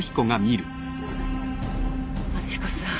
春彦さん。